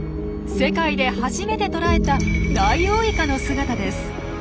世界で初めて捉えたダイオウイカの姿です。